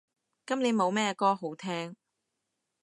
今年冇咩歌好聼